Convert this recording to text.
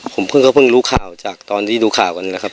ผมเพิ่งก็เพิ่งรู้ข่าวจากตอนที่ดูข่าวกันนะครับ